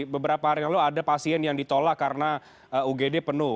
beberapa hari lalu ada pasien yang ditolak karena ugd penuh